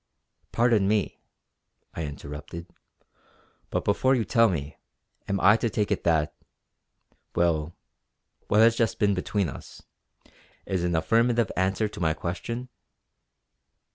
"Pardon me" I interrupted "but before you tell me, am I to take it that well, what has just been between us is an affirmative answer to my question?"